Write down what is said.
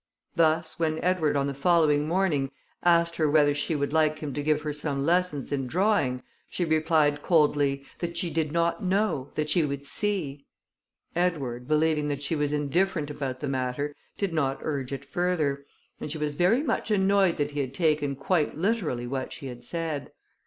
Thus, when Edward, on the following morning, asked her whether she would like him to give her some lessons in drawing, she replied coldly, "that she did not know, that she would see." Edward, believing that she was indifferent about the matter, did not urge it further, and she was very much annoyed that he had taken quite literally what she had said.